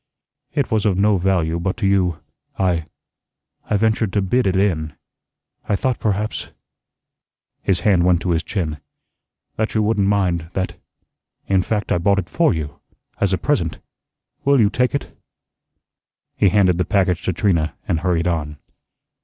It was of no value but to you. I I ventured to bid it in. I thought perhaps" his hand went to his chin, "that you wouldn't mind; that in fact, I bought it for you as a present. Will you take it?" He handed the package to Trina and hurried on.